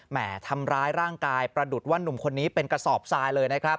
แห่ทำร้ายร่างกายประดุษว่านุ่มคนนี้เป็นกระสอบทรายเลยนะครับ